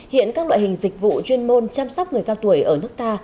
hiện các loại hình dịch vụ chuyên môn chăm sóc người cao tuổi ở nước ta